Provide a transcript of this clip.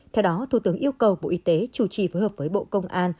theo đó thủ tướng yêu cầu bộ y tế chủ trì phối hợp với bộ công an